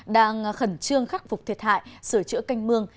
đang khẩn trương khắc phục thiệt hại sửa chữa canh mương